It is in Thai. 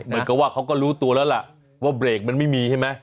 เหมือนกับว่าเขาก็รู้ตัวแล้วล่ะว่าเบรกมันไม่มีใช่ไหม